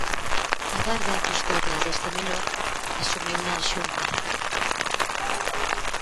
A garda e custodia deste menor asumiuna a Xunta.